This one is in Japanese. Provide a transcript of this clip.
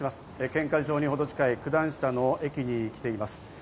献花場にほど近い九段下の駅に来ています。